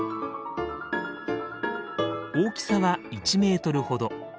大きさは１メートルほど。